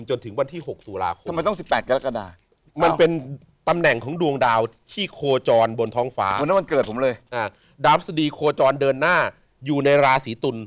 บนท้องฟ้าวันนั้นวันเกิดผมเลยดาบสดีโคจรเดินหน้าอยู่ในราศรีตุล